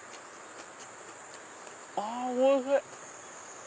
あおいしい。